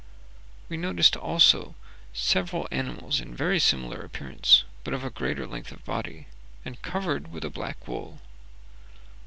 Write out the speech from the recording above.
We noticed also several animals very similar in appearance, but of a greater length of body, and covered with a black wool.